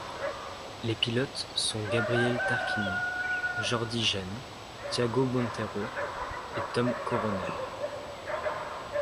Les pilotes sont Gabriele Tarquini, Jordi Gene, Tiago Monteiro et Tom Coronel.